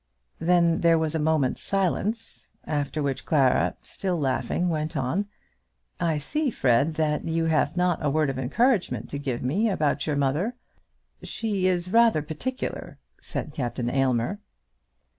Then there was a moment's silence, after which Clara, still laughing, went on. "I see, Fred, that you have not a word of encouragement to give me about your mother." "She is rather particular," said Captain Aylmer.